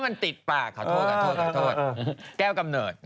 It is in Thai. มันติดปาก